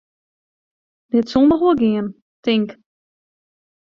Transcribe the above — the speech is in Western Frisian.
Dit sil noch wol gean, tink.